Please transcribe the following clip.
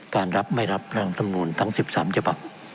การรับไม่รับรังจำนวนทั้ง๑๓จบับ